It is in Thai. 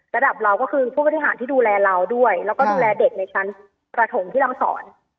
ระดับเราก็คือผู้บริหารที่ดูแลเราด้วยแล้วก็ดูแลเด็กในชั้นประถมที่เราสอน